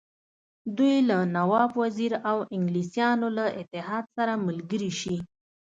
دوی له نواب وزیر او انګلیسیانو له اتحاد سره ملګري شي.